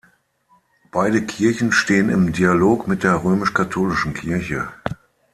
Beide Kirchen stehen im Dialog mit der römisch-katholischen Kirche.